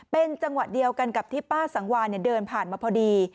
เป็นจังหวะเดียวกันกับที่ป้าสังวานเดินผ่านมาพอดี